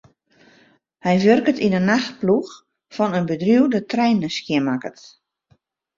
Hy wurket yn 'e nachtploech fan in bedriuw dat treinen skjinmakket.